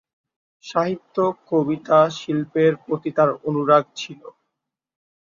সাহিত্য, কবিতা, শিল্পের প্রতি তার অনুরাগ ছিলো।